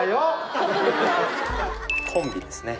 コンビですね。